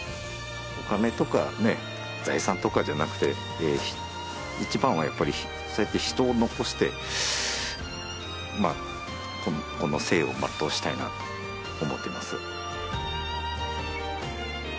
お金とかね財産とかじゃなくて一番はやっぱりそうやって人を残してこの生を全うしたいなと思っています。